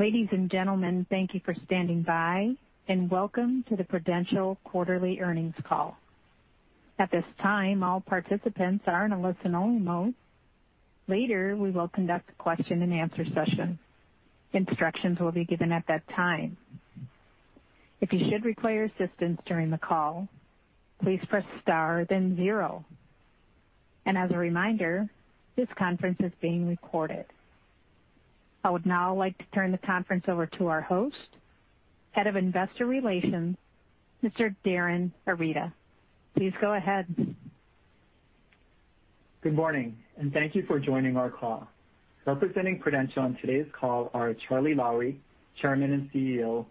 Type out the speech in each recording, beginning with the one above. Ladies and gentlemen, thank you for standing by, and welcome to the Prudential quarterly earnings Call. At this time, all participants are in a listen-only mode. Later, we will conduct a question-and-answer session. Instructions will be given at that time. If you should require assistance during the call, please press star, then zero. As a reminder, this conference is being recorded. I would now like to turn the conference over to our host, Head of Investor Relations, Mr. Darin Arita. Please go ahead. Good morning, and thank you for joining our call. Representing Prudential on today's call are Charlie Lowrey, Chairman and CEO,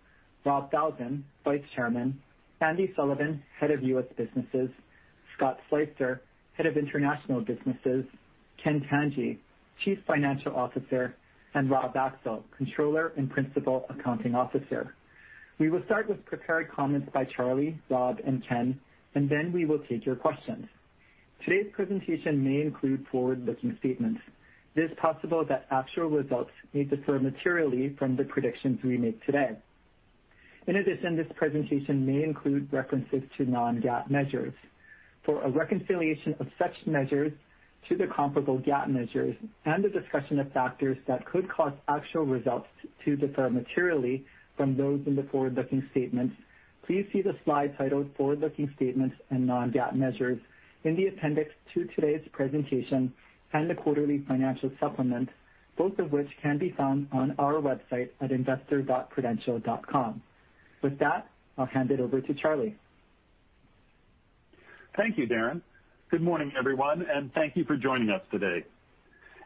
Rob Falzon, Vice Chairman, Andy Sullivan, Head of U.S. Businesses, Scott Sleyster, Head of International Businesses; Ken Tanji, Chief Financial Officer, and Rob Axel, Controller and Principal Accounting Officer. We will start with prepared comments by Charlie, Rob, and Ken, and then we will take your questions. Today's presentation may include forward-looking statements. It is possible that actual results may differ materially from the predictions we make today. In addition, this presentation may include references to non-GAAP measures. For a reconciliation of such measures to the comparable GAAP measures and a discussion of factors that could cause actual results to differ materially from those in the forward-looking statements, please see the slide titled "Forward-looking Statements and Non-GAAP Measures" in the appendix to today's presentation and the Quarterly Financial Supplement, both of which can be found on our website at investor.prudential.com. With that, I'll hand it over to Charlie. Thank you, Darin. Good morning, everyone, and thank you for joining us today.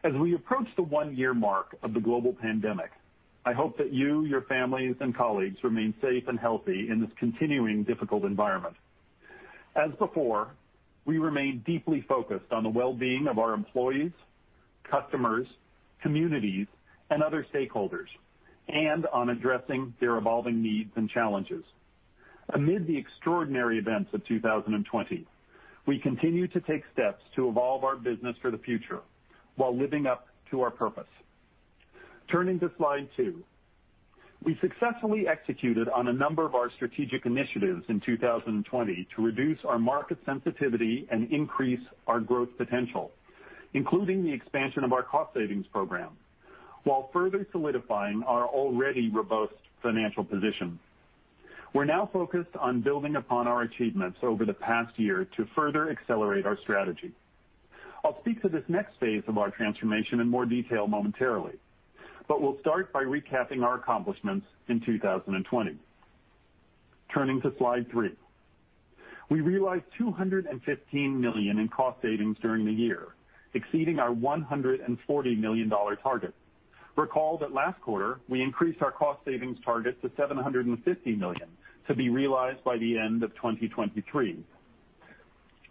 As we approach the one-year mark of the global pandemic, I hope that you, your families, and colleagues remain safe and healthy in this continuing difficult environment. As before, we remain deeply focused on the well-being of our employees, customers, communities, and other stakeholders, and on addressing their evolving needs and challenges. Amid the extraordinary events of 2020, we continue to take steps to evolve our business for the future while living up to our purpose. Turning to slide two, we successfully executed on a number of our strategic initiatives in 2020 to reduce our market sensitivity and increase our growth potential, including the expansion of our cost-savings program, while further solidifying our already robust financial position. We're now focused on building upon our achievements over the past year to further accelerate our strategy. I'll speak to this next phase of our transformation in more detail momentarily, but we'll start by recapping our accomplishments in 2020. Turning to slide three, we realized $215 million in cost savings during the year, exceeding our $140 million target. Recall that last quarter, we increased our cost-savings target to $750 million to be realized by the end of 2023.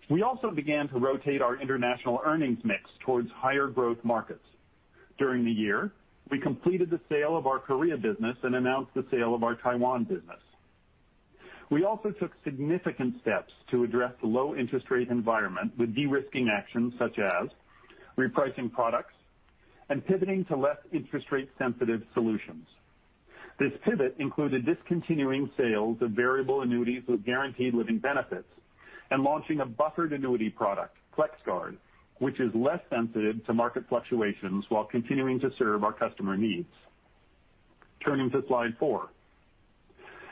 We also began to rotate our international earnings mix towards higher growth markets. During the year, we completed the sale of our Korea business and announced the sale of our Taiwan business. We also took significant steps to address the low interest rate environment with de-risking actions such as repricing products and pivoting to less interest rate-sensitive solutions. This pivot included discontinuing sales of variable annuities with guaranteed living benefits and launching a buffered annuity product, FlexGuard, which is less sensitive to market fluctuations while continuing to serve our customer needs. Turning to slide four,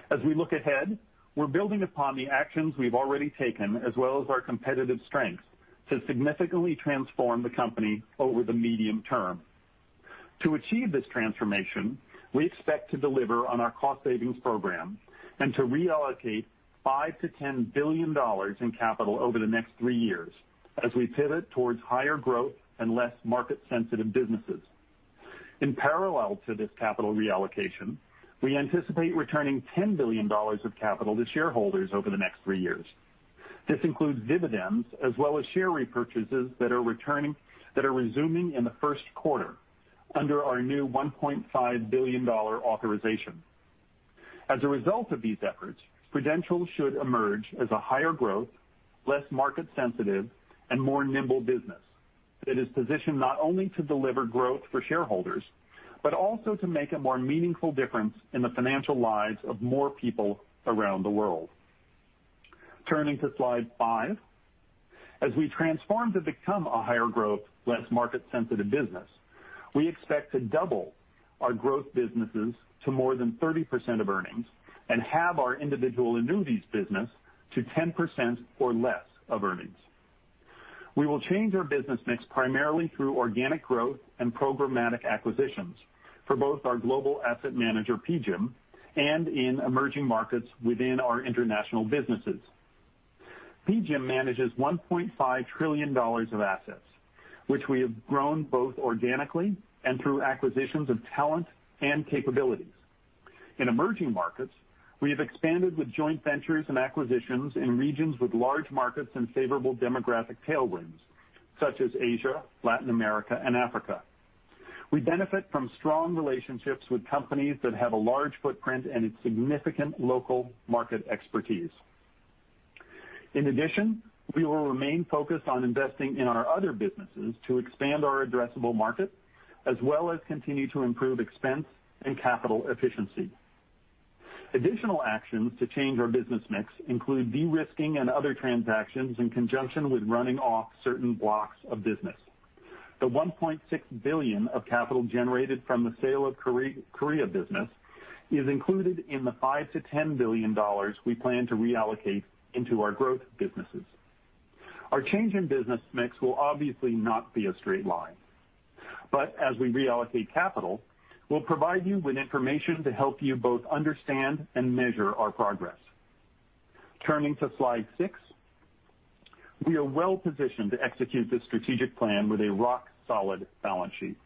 as we look ahead, we're building upon the actions we've already taken as well as our competitive strengths to significantly transform the company over the medium term. To achieve this transformation, we expect to deliver on our cost-savings program and to reallocate $5 billion-$10 billion in capital over the next three years as we pivot towards higher growth and less market-sensitive businesses. In parallel to this capital reallocation, we anticipate returning $10 billion of capital to shareholders over the next three years. This includes dividends as well as share repurchases that are resuming in the first quarter under our new $1.5 billion authorization. As a result of these efforts, Prudential should emerge as a higher growth, less market-sensitive, and more nimble business that is positioned not only to deliver growth for shareholders but also to make a more meaningful difference in the financial lives of more people around the world. Turning to slide five, as we transform to become a higher growth, less market-sensitive business, we expect to double our growth businesses to more than 30% of earnings and have our individual annuities business to 10% or less of earnings. We will change our business mix primarily through organic growth and programmatic acquisitions for both our global asset manager, PGIM, and in emerging markets within our international businesses. PGIM manages $1.5 trillion of assets, which we have grown both organically and through acquisitions of talent and capabilities. In emerging markets, we have expanded with joint ventures and acquisitions in regions with large markets and favorable demographic tailwinds such as Asia, Latin America, and Africa. We benefit from strong relationships with companies that have a large footprint and significant local market expertise. In addition, we will remain focused on investing in our other businesses to expand our addressable market as well as continue to improve expense and capital efficiency. Additional actions to change our business mix include de-risking and other transactions in conjunction with running off certain blocks of business. The $1.6 billion of capital generated from the sale of Korea business is included in the $5 billion-$10 billion we plan to reallocate into our growth businesses. Our change in business mix will obviously not be a straight line, but as we reallocate capital, we'll provide you with information to help you both understand and measure our progress. Turning to slide six, we are well-positioned to execute this strategic plan with a rock-solid balance sheet.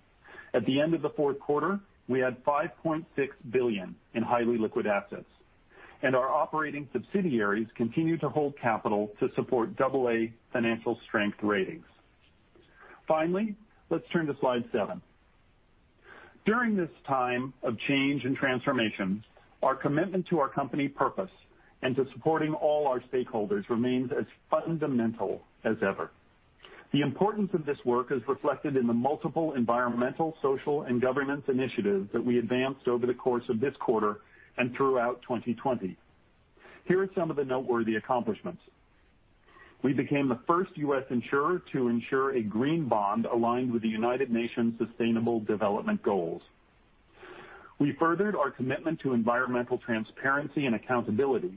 At the end of the fourth quarter, we had $5.6 billion in highly liquid assets, and our operating subsidiaries continue to hold capital to support AA Financial Strength ratings. Finally, let's turn to slide seven. During this time of change and transformation, our commitment to our company purpose and to supporting all our stakeholders remains as fundamental as ever. The importance of this work is reflected in the multiple environmental, social, and governance initiatives that we advanced over the course of this quarter and throughout 2020. Here are some of the noteworthy accomplishments. We became the first U.S. insurer to insure a green bond aligned with the United Nations Sustainable Development Goals. We furthered our commitment to environmental transparency and accountability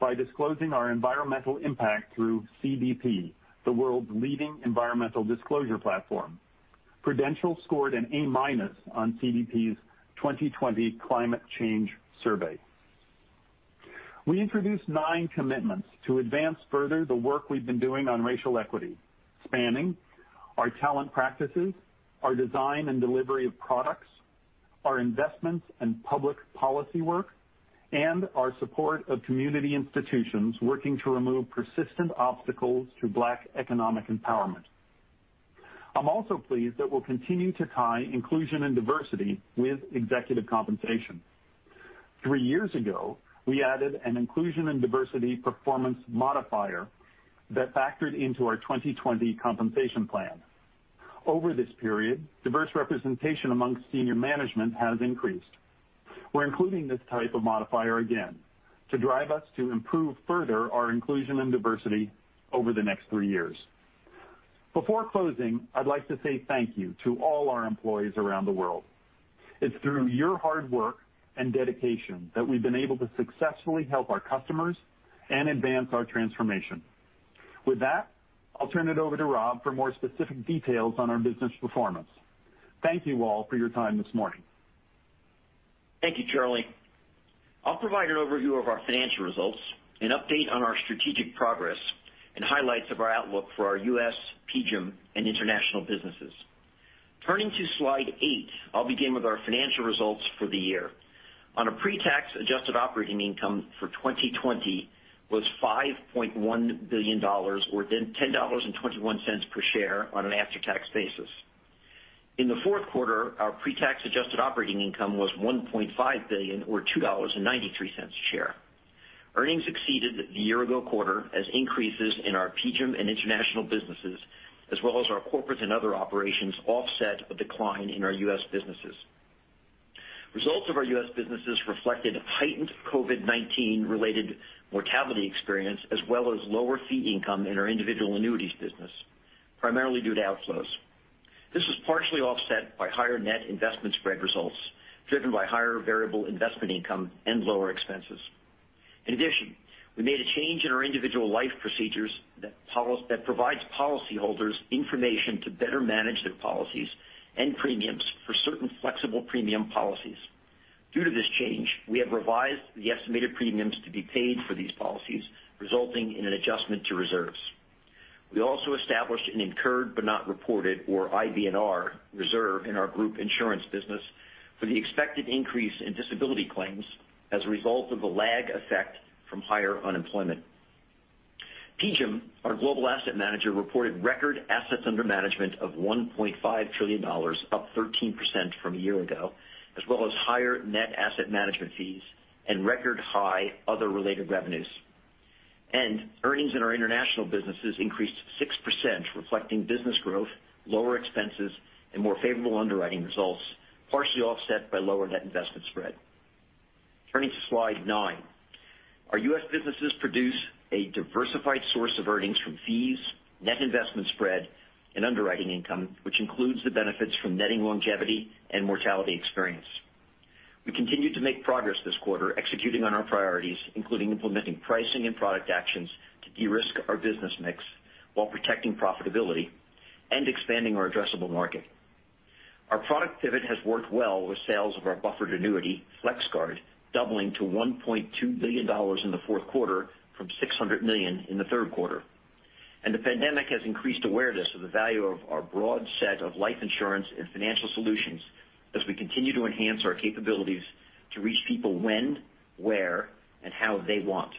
by disclosing our environmental impact through CDP, the world's leading environmental disclosure platform. Prudential scored an A- on CDP's 2020 Climate Change Survey. We introduced nine commitments to advance further the work we've been doing on racial equity, spanning our talent practices, our design and delivery of products, our investments and public policy work, and our support of community institutions working to remove persistent obstacles to Black economic empowerment. I'm also pleased that we'll continue to tie inclusion and diversity with executive compensation. Three years ago, we added an inclusion and diversity performance modifier that factored into our 2020 compensation plan. Over this period, diverse representation amongst senior management has increased. We're including this type of modifier again to drive us to improve further our inclusion and diversity over the next three years. Before closing, I'd like to say thank you to all our employees around the world. It's through your hard work and dedication that we've been able to successfully help our customers and advance our transformation. With that, I'll turn it over to Rob for more specific details on our business performance. Thank you all for your time this morning. Thank you, Charlie. I'll provide an overview of our financial results, an update on our strategic progress, and highlights of our outlook for our U.S., PGIM, and international businesses. Turning to slide eight, I'll begin with our financial results for the year. On a pre-tax adjusted operating income for 2020, it was $5.1 billion, or $10.21 per share on an after-tax basis. In the fourth quarter, our pre-tax adjusted operating income was $1.5 billion, or $2.93 a share. Earnings exceeded the year-ago quarter as increases in our PGIM and international businesses, as well as our corporate and other operations, offset a decline in our U.S. businesses. Results of our U.S. businesses reflected a heightened COVID-19-related mortality experience, as well as lower fee income in our individual annuities business, primarily due to outflows. This was partially offset by higher net investment spread results driven by higher variable investment income and lower expenses. In addition, we made a change in our individual life procedures that provides policyholders information to better manage their policies and premiums for certain flexible premium policies. Due to this change, we have revised the estimated premiums to be paid for these policies, resulting in an adjustment to reserves. We also established an incurred but not reported, or IBNR, reserve in our group insurance business for the expected increase in disability claims as a result of the lag effect from higher unemployment. PGIM, our global asset manager, reported record assets under management of $1.5 trillion, up 13% from a year ago, as well as higher net asset management fees and record high other related revenues. Earnings in our international businesses increased 6%, reflecting business growth, lower expenses, and more favorable underwriting results, partially offset by lower net investment spread. Turning to slide nine, our U.S. businesses produce a diversified source of earnings from fees, net investment spread, and underwriting income, which includes the benefits from netting longevity and mortality experience. We continue to make progress this quarter, executing on our priorities, including implementing pricing and product actions to de-risk our business mix while protecting profitability and expanding our addressable market. Our product pivot has worked well with sales of our buffered annuity, FlexGuard, doubling to $1.2 billion in the fourth quarter from $600 million in the third quarter. The pandemic has increased awareness of the value of our broad set of life insurance and financial solutions as we continue to enhance our capabilities to reach people when, where, and how they want.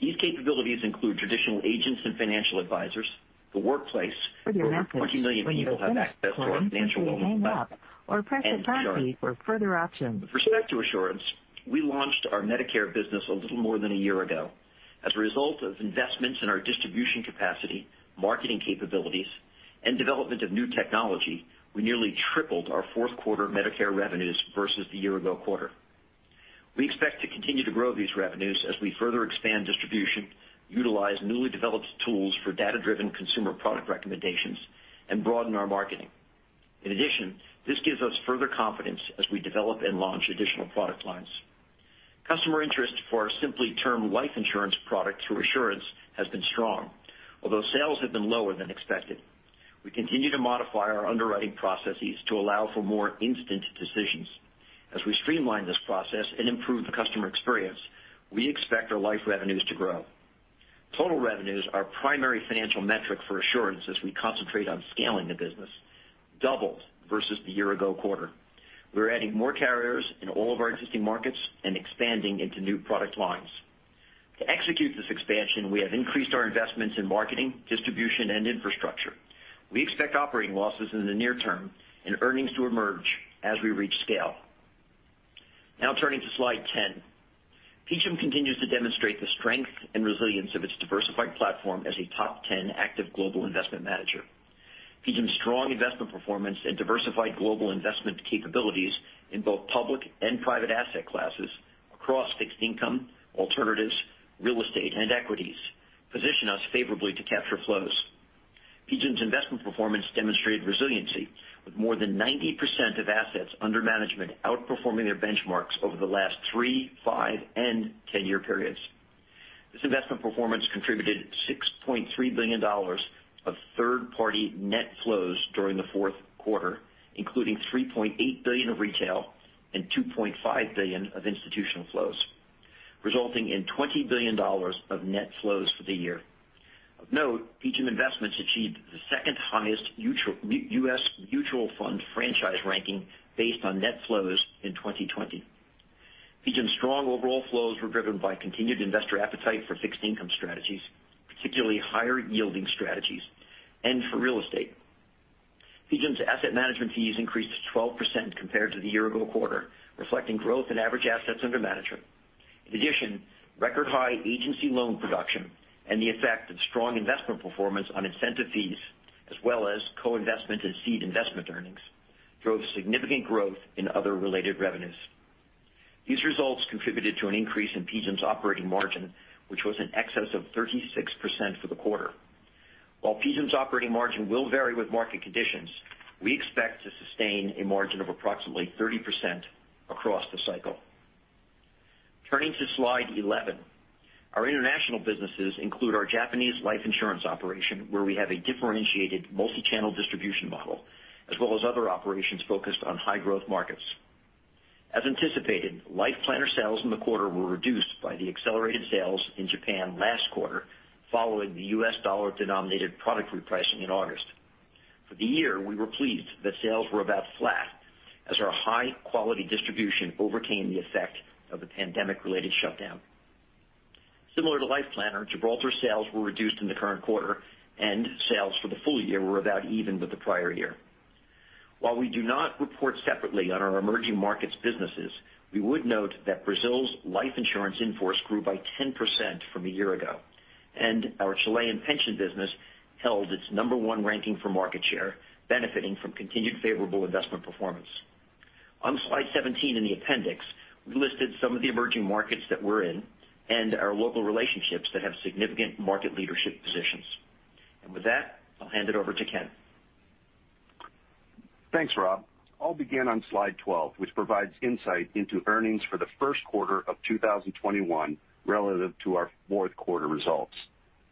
These capabilities include traditional agents and financial advisors, the workplace, and over 20 million people have access to our financial wellness. With respect to Assurance IQ, we launched our Medicare business a little more than a year ago. As a result of investments in our distribution capacity, marketing capabilities, and development of new technology, we nearly tripled our fourth quarter Medicare revenues versus the year-ago quarter. We expect to continue to grow these revenues as we further expand distribution, utilize newly developed tools for data-driven consumer product recommendations, and broaden our marketing. In addition, this gives us further confidence as we develop and launch additional product lines. Customer interest for our Simply Term Life Insurance product through Assurance IQ has been strong, although sales have been lower than expected. We continue to modify our underwriting processes to allow for more instant decisions. As we streamline this process and improve the customer experience, we expect our life revenues to grow. Total revenues, our primary financial metric for Assurance as we concentrate on scaling the business, doubled versus the year-ago quarter. We're adding more carriers in all of our existing markets and expanding into new product lines. To execute this expansion, we have increased our investments in marketing, distribution, and infrastructure. We expect operating losses in the near term and earnings to emerge as we reach scale. Now turning to slide ten, PGIM continues to demonstrate the strength and resilience of its diversified platform as a top 10 active global investment manager. PGIM's strong investment performance and diversified global investment capabilities in both public and private asset classes across fixed income, alternatives, real estate, and equities position us favorably to capture flows. PGIM's investment performance demonstrated resiliency with more than 90% of assets under management outperforming their benchmarks over the last three, five, and ten-year periods. This investment performance contributed $6.3 billion of third-party net flows during the fourth quarter, including $3.8 billion of retail and $2.5 billion of institutional flows, resulting in $20 billion of net flows for the year. Of note, PGIM investments achieved the second highest U.S. mutual fund franchise ranking based on net flows in 2020. PGIM's strong overall flows were driven by continued investor appetite for fixed income strategies, particularly higher-yielding strategies, and for real estate. PGIM's asset management fees increased 12% compared to the year-ago quarter, reflecting growth in average assets under management. In addition, record high agency loan production and the effect of strong investment performance on incentive fees, as well as co-investment and seed investment earnings, drove significant growth in other related revenues. These results contributed to an increase in PGIM's operating margin, which was in excess of 36% for the quarter. While PGIM's operating margin will vary with market conditions, we expect to sustain a margin of approximately 30% across the cycle. Turning to slide 11, our international businesses include our Japanese life insurance operation, where we have a differentiated multi-channel distribution model, as well as other operations focused on high-growth markets. As anticipated, Life Planner sales in the quarter were reduced by the accelerated sales in Japan last quarter, following the U.S. dollar-denominated product repricing in August. For the year, we were pleased that sales were about flat as our high-quality distribution overcame the effect of the pandemic-related shutdown. Similar to Life Planner, Gibraltar sales were reduced in the current quarter, and sales for the full year were about even with the prior year. While we do not report separately on our emerging markets businesses, we would note that Brazil's life insurance in force grew by 10% from a year ago, and our Chilean pension business held its number one ranking for market share, benefiting from continued favorable investment performance. On slide 17 in the appendix, we listed some of the emerging markets that we're in and our local relationships that have significant market leadership positions. With that, I'll hand it over to Ken. Thanks, Rob. I'll begin on slide 12, which provides insight into earnings for the first quarter of 2021 relative to our fourth quarter results.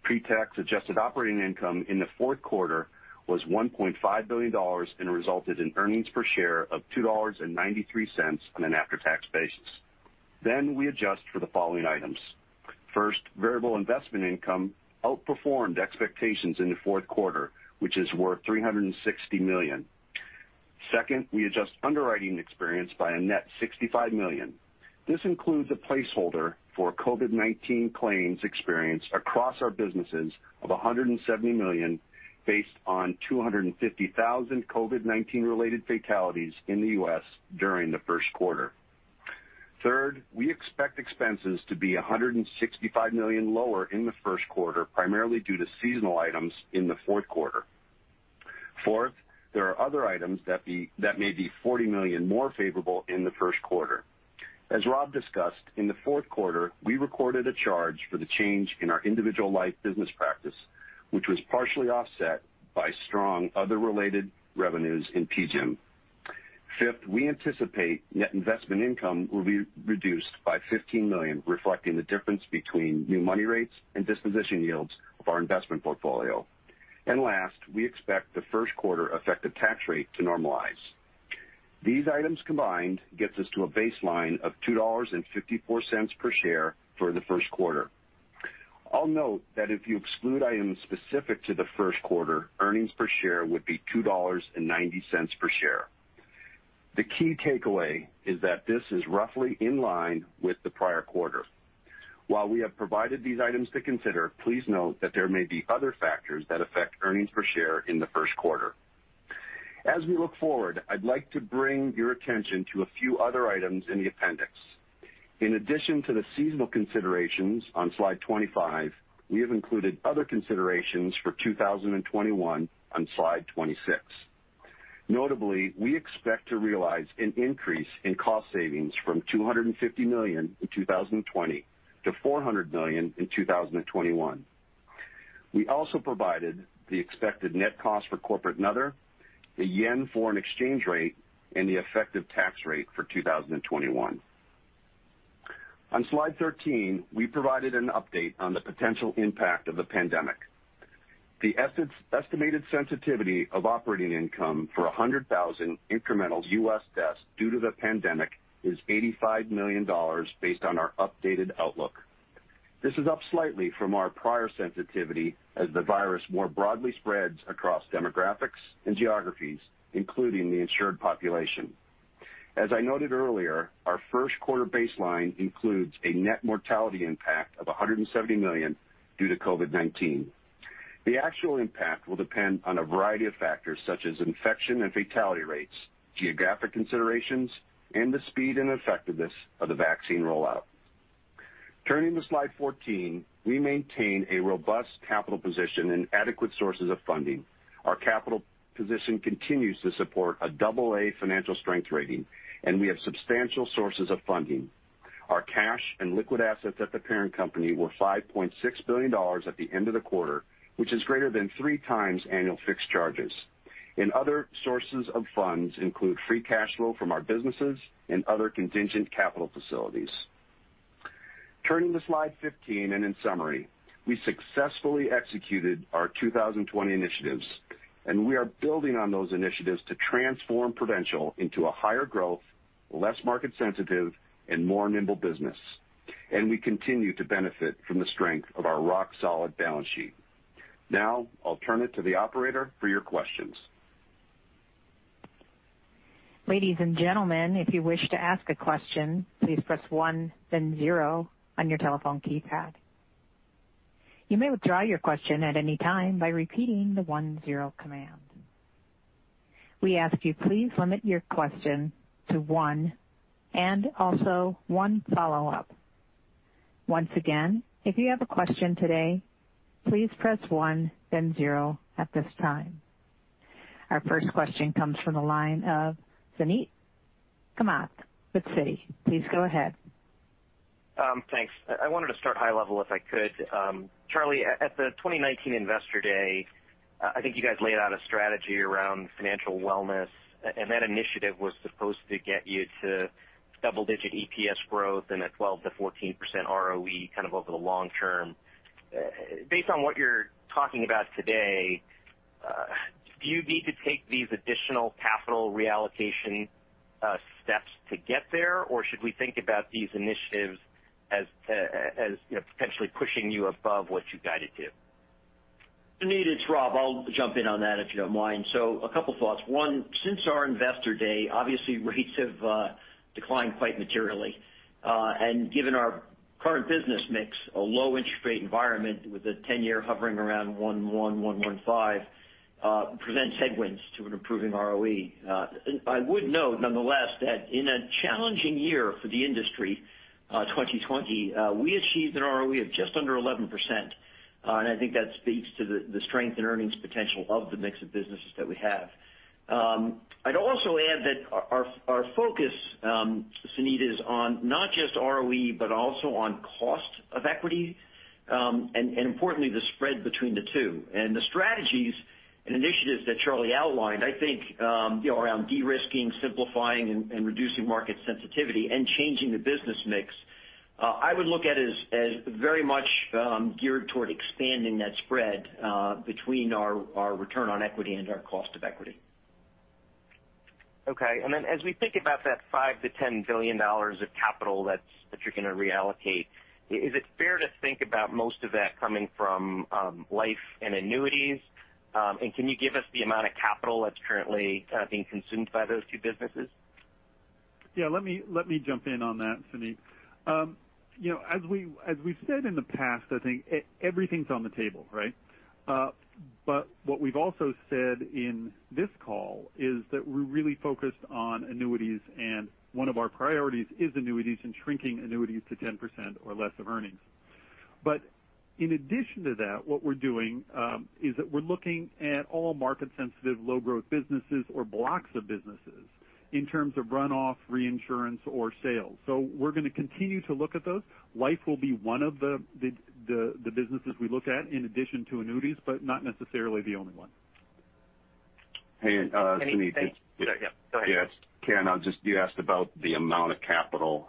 Pre-tax adjusted operating income in the fourth quarter was $1.5 billion and resulted in earnings per share of $2.93 on an after-tax basis. We adjust for the following items. First, variable investment income outperformed expectations in the fourth quarter, which is worth $360 million. Second, we adjust underwriting experience by a net $65 million. This includes a placeholder for COVID-19 claims experience across our businesses of $170 million based on 250,000 COVID-19-related fatalities in the U.S. during the first quarter. Third, we expect expenses to be $165 million lower in the first quarter, primarily due to seasonal items in the fourth quarter. Fourth, there are other items that may be $40 million more favorable in the first quarter. As Rob discussed, in the fourth quarter, we recorded a charge for the change in our individual life business practice, which was partially offset by strong other-related revenues in PGIM. Fifth, we anticipate net investment income will be reduced by $15 million, reflecting the difference between new money rates and disposition yields of our investment portfolio. Last, we expect the first quarter effective tax rate to normalize. These items combined get us to a baseline of $2.54 per share for the first quarter. I'll note that if you exclude items specific to the first quarter, earnings per share would be $2.90 per share. The key takeaway is that this is roughly in line with the prior quarter. While we have provided these items to consider, please note that there may be other factors that affect earnings per share in the first quarter. As we look forward, I'd like to bring your attention to a few other items in the appendix. In addition to the seasonal considerations on slide 25, we have included other considerations for 2021 on slide 26. Notably, we expect to realize an increase in cost savings from $250 million in 2020 to $400 million in 2021. We also provided the expected net cost for Corp & Other, the yen foreign exchange rate, and the effective tax rate for 2021. On slide 13, we provided an update on the potential impact of the pandemic. The estimated sensitivity of operating income for 100,000 incremental U.S. deaths due to the pandemic is $85 million based on our updated outlook. This is up slightly from our prior sensitivity as the virus more broadly spreads across demographics and geographies, including the insured population. As I noted earlier, our first quarter baseline includes a net mortality impact of $170 million due to COVID-19. The actual impact will depend on a variety of factors such as infection and fatality rates, geographic considerations, and the speed and effectiveness of the vaccine rollout. Turning to slide 14, we maintain a robust capital position and adequate sources of funding. Our capital position continues to support a double-A financial strength rating, and we have substantial sources of funding. Our cash and liquid assets at the parent company were $5.6 billion at the end of the quarter, which is greater than three times annual fixed charges. Other sources of funds include free cash flow from our businesses and other contingent capital facilities. Turning to slide 15 and in summary, we successfully executed our 2020 initiatives, and we are building on those initiatives to transform Prudential into a higher-growth, less market-sensitive, and more nimble business. We continue to benefit from the strength of our rock-solid balance sheet. Now I'll turn it to the operator for your questions. Ladies and gentlemen, if you wish to ask a question, please press one, then zero on your telephone keypad. You may withdraw your question at any time by repeating the one-zero command. We ask you, please limit your question to one and also one follow-up. Once again, if you have a question today, please press one, then zero at this time. Our first question comes from the line of Suneet Kamath with Citi. Please go ahead. Thanks. I wanted to start high level if I could. Charlie, at the 2019 Investor Day, I think you guys laid out a strategy around financial wellness, and that initiative was supposed to get you to double-digit EPS growth and a 12%-14% ROE kind of over the long term. Based on what you're talking about today, do you need to take these additional capital reallocation steps to get there, or should we think about these initiatives as potentially pushing you above what you guided to? Suneet, it's Rob. I'll jump in on that if you don't mind. A couple of thoughts. One, since our Investor Day, obviously rates have declined quite materially. Given our current business mix, a low interest rate environment with a 10-year hovering around 1.1-1.5, presents headwinds to an improving ROE. I would note, nonetheless, that in a challenging year for the industry, 2020, we achieved an ROE of just under 11%. I think that speaks to the strength and earnings potential of the mix of businesses that we have. I'd also add that our focus, Suneet, is on not just ROE, but also on cost of equity, and importantly, the spread between the two. The strategies and initiatives that Charlie outlined, I think around de-risking, simplifying, and reducing market sensitivity, and changing the business mix, I would look at as very much geared toward expanding that spread between our return on equity and our cost of equity. Okay. As we think about that $5 billion-$10 billion of capital that you're going to reallocate, is it fair to think about most of that coming from life and annuities? Can you give us the amount of capital that's currently being consumed by those two businesses? Yeah, let me jump in on that, Suneet. As we've said in the past, I think everything's on the table, right? What we've also said in this call is that we're really focused on annuities, and one of our priorities is annuities and shrinking annuities to 10% or less of earnings. In addition to that, what we're doing is that we're looking at all market-sensitive, low-growth businesses or blocks of businesses in terms of runoff, reinsurance, or sales. We're going to continue to look at those. Life will be one of the businesses we look at in addition to annuities, but not necessarily the only one. Yeah, go ahead. Yeah, it's Ken. I just asked about the amount of capital.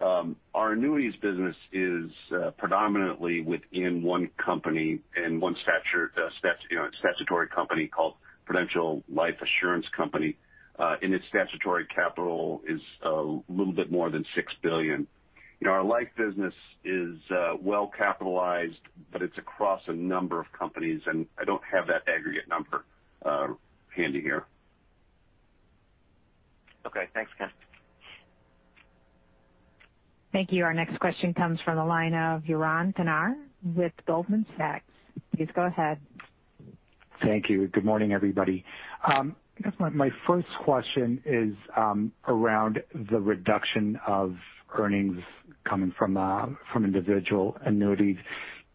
Our annuities business is predominantly within one company and one statutory company called Prudential Life Insurance Company. Its statutory capital is a little bit more than $6 billion. Our life business is well-capitalized, but it's across a number of companies, and I do not have that aggregate number handy here. Okay. Thanks, Ken. Thank you. Our next question comes from the line of Yaron Kinar with Goldman Sachs. Please go ahead. Thank you. Good morning, everybody. My first question is around the reduction of earnings coming from individual annuities.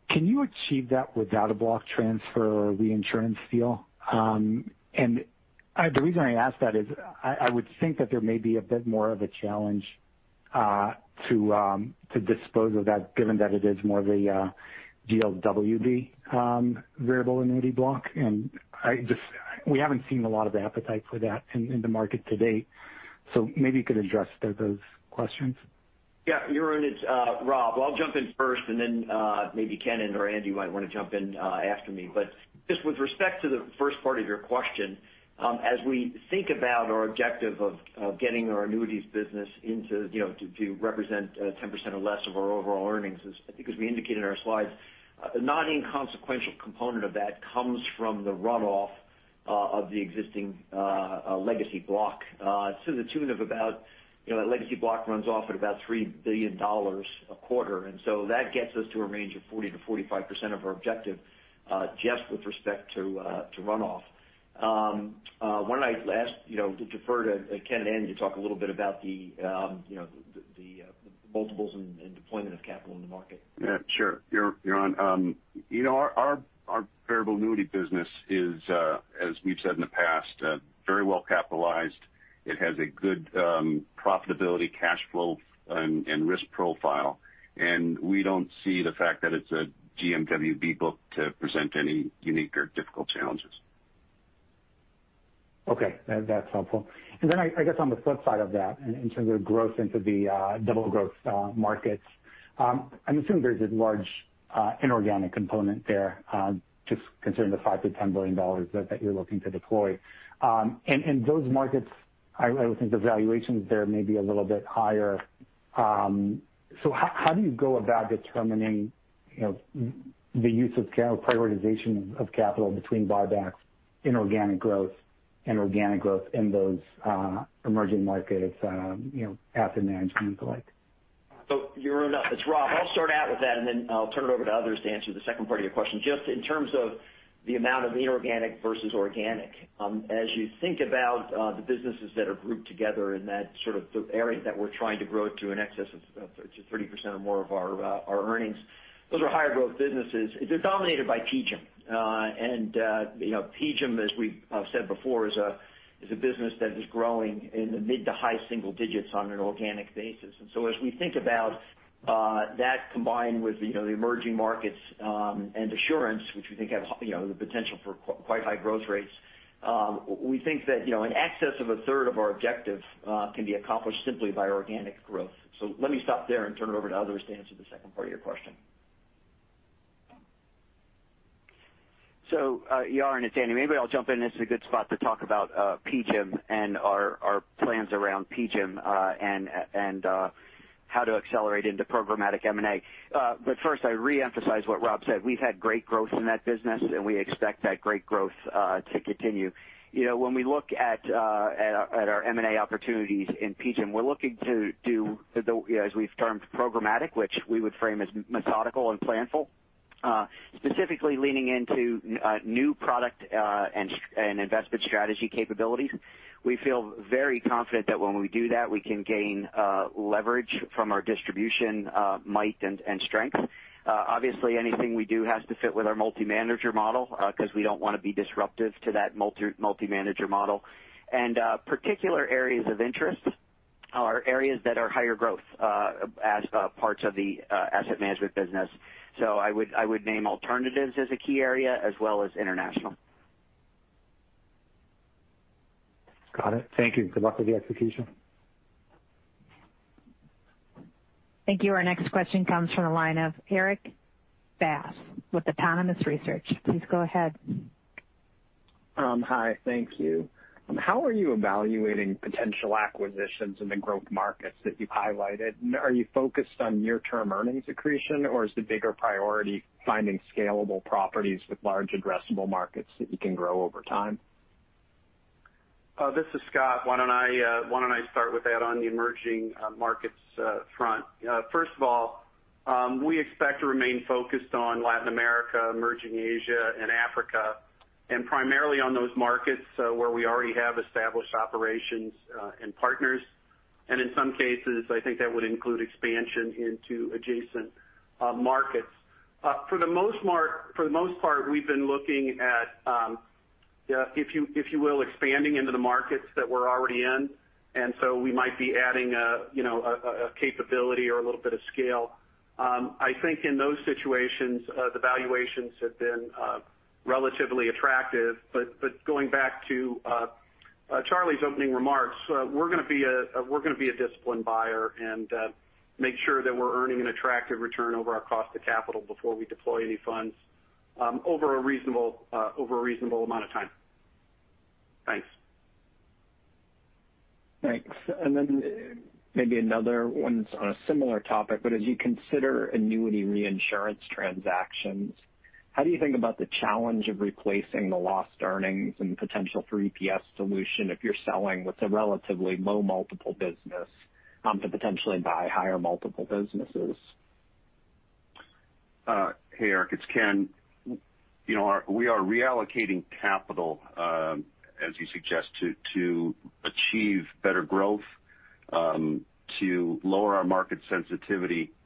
Can you achieve that without a block transfer or reinsurance deal? The reason I ask that is I would think that there may be a bit more of a challenge to dispose of that, given that it is more of a GLWB variable annuity block. We have not seen a lot of appetite for that in the market to date. Maybe you could address those questions. Yeah, Yaron and Rob, I'll jump in first, and then maybe Ken and/or Andy might want to jump in after me. Just with respect to the first part of your question, as we think about our objective of getting our annuities business to represent 10% or less of our overall earnings, I think, as we indicated in our slides, a non-inconsequential component of that comes from the runoff of the existing legacy block to the tune of about that legacy block runs off at about $3 billion a quarter. That gets us to a range of 40%-45% of our objective just with respect to runoff. Why don't I ask to defer to Ken and Andy to talk a little bit about the multiples and deployment of capital in the market? Yeah, sure. Yaron, our variable annuity business is, as we've said in the past, very well-capitalized. It has a good profitability, cash flow, and risk profile. We don't see the fact that it's a GMWB book to present any unique or difficult challenges. Okay. That's helpful. I guess on the flip side of that, in terms of growth into the double-growth markets, I'm assuming there's a large inorganic component there, just considering the $5 billion-$10 billion that you're looking to deploy. Those markets, I would think the valuations there may be a little bit higher. How do you go about determining the use of prioritization of capital between buybacks, inorganic growth, and organic growth in those emerging markets, asset management, and the like? Yaron, it's Rob. I'll start out with that, and then I'll turn it over to others to answer the second part of your question. Just in terms of the amount of inorganic versus organic, as you think about the businesses that are grouped together in that sort of area that we're trying to grow to an excess of 30% or more of our earnings, those are higher-growth businesses. They're dominated by PGIM. And PGIM, as we've said before, is a business that is growing in the mid to high single digits on an organic basis. As we think about that combined with the emerging markets and Assurance, which we think have the potential for quite high growth rates, we think that an excess of a third of our objective can be accomplished simply by organic growth. Let me stop there and turn it over to others to answer the second part of your question. Yaron it's Andy, maybe I'll jump in. This is a good spot to talk about PGIM and our plans around PGIM and how to accelerate into programmatic M&A. First, I re-emphasize what Rob said. We've had great growth in that business, and we expect that great growth to continue. When we look at our M&A opportunities in PGIM, we're looking to do, as we've termed, programmatic, which we would frame as methodical and planful, specifically leaning into new product and investment strategy capabilities. We feel very confident that when we do that, we can gain leverage from our distribution might and strength. Obviously, anything we do has to fit with our multi-manager model because we don't want to be disruptive to that multi-manager model. Particular areas of interest are areas that are higher growth as parts of the asset management business.I would name alternatives as a key area as well as international. Got it. Thank you. Good luck with the execution. Thank you. Our next question comes from the line of Erik Bass with Autonomous Research. Please go ahead. Hi, thank you. How are you evaluating potential acquisitions in the growth markets that you've highlighted? Are you focused on near-term earnings accretion, or is the bigger priority finding scalable properties with large addressable markets that you can grow over time? This is Scott. Why don't I start with that on the emerging markets front? First of all, we expect to remain focused on Latin America, emerging Asia, and Africa, and primarily on those markets where we already have established operations and partners. In some cases, I think that would include expansion into adjacent markets. For the most part, we've been looking at, if you will, expanding into the markets that we're already in. We might be adding a capability or a little bit of scale. I think in those situations, the valuations have been relatively attractive. Going back to Charlie's opening remarks, we're going to be a disciplined buyer and make sure that we're earning an attractive return over our cost of capital before we deploy any funds over a reasonable amount of time. Thanks. Thanks. Maybe another one on a similar topic, but as you consider annuity reinsurance transactions, how do you think about the challenge of replacing the lost earnings and potential for EPS solution if you're selling with a relatively low multiple business to potentially buy higher multiple businesses? Hey, Erik. It's Ken. We are reallocating capital, as you suggest, to achieve better growth, to lower our market sensitivity, and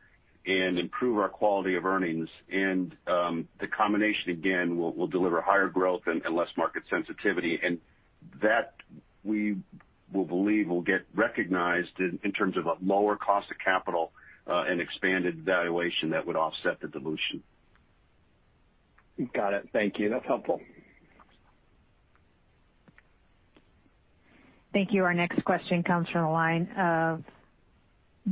improve our quality of earnings. The combination, again, will deliver higher growth and less market sensitivity. That, we believe, will get recognized in terms of a lower cost of capital and expanded valuation that would offset the dilution. Got it. Thank you. That's helpful. Thank you. Our next question comes from the line of